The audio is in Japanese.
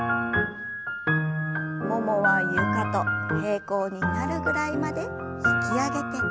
ももは床と平行になるぐらいまで引き上げて。